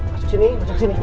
masuk sini masuk sini